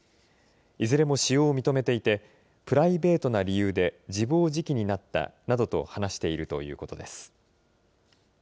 いずれも使用を認めていて、プライベートな理由で自暴自棄になったなどと話しているということです。